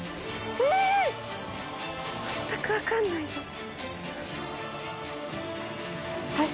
全く分かんないぞ